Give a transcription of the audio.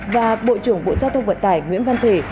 và bộ trưởng bộ giao thông vận tải nguyễn văn thể